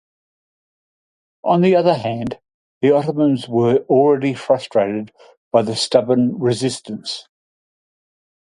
On the other hand, the Ottomans were already frustrated by the stubborn resistance.